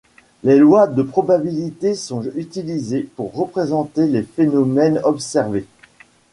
Les lois de probabilité sont utilisées pour représenter les phénomènes observés.